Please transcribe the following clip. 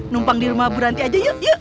numpang di rumah bu ranti aja yuk yuk